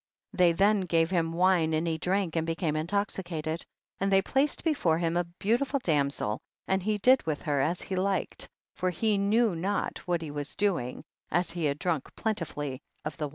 60. They then gave him wine and he drank and became intoxicated, and they placed before him a beautiful damsel, and he did with her as he liked, for he knew not vohat he was doing, as he had drunk plentifully of wine.